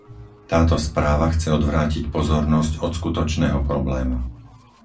Táto správa chce odvrátiť pozornosť od skutočného problému.